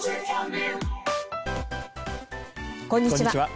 こんにちは。